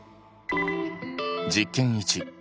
実験１。